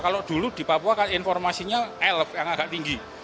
kalau dulu di papua kan informasinya lf yang agak tinggi